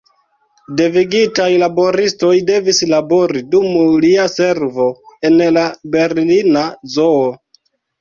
Devigitaj laboristoj devis labori dum lia servo en la Berlina Zoo.